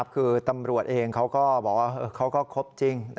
คือตำรวจเองเขาก็บอกว่าเขาก็ครบจริง